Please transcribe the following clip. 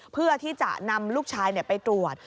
เพื่อที่จะนำลูกชายไปตรวจ